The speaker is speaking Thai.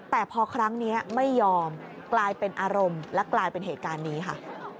แต่พอครั้งนี้ไม่ยอมกลายเป็นอารมณ์และกลายเป็นเหตุการณ์นี้ค่ะ